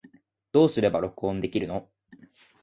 どうすれば録音できるの